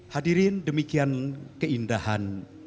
hadirin demikian keindahan